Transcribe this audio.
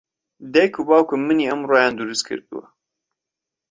دایک و باوکم منی ئەمڕۆیان دروست کردووە.